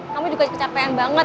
kamu juga kecapean banget